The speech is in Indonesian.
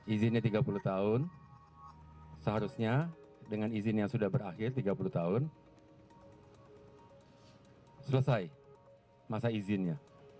izinnya tiga puluh tahun seharusnya dengan izin yang sudah berakhir tiga puluh tahun selesai masa izinnya